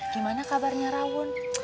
gimana kabarnya rawun